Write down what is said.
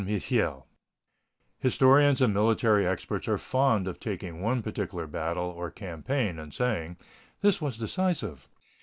MIHIEL Historians and military experts are fond of taking one particular battle or campaign, and saying: "This was decisive."